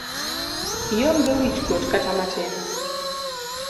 Ionge wich kuot kata matin.